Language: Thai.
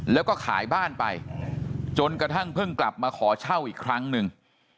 แล้วก็ขายบ้านไปจนกระทั่งเพิ่งกลับมาขอเช่าอีกครั้งหนึ่ง